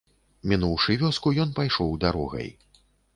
Мінуўшы вёску, ён пайшоў дарогай.